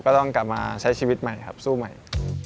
ต้องกลับมาใช้ชีวิตใหม่ครับสู้ใหม่